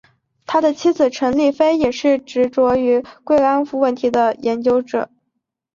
他的妻子陈丽菲也是执着的慰安妇问题研究者。